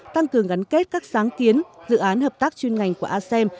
tăng cường gắn kết các sáng kiến dự án hợp tác chuyên ngành của a sem